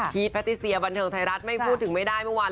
แพทติเซียบันเทิงไทยรัฐไม่พูดถึงไม่ได้เมื่อวาน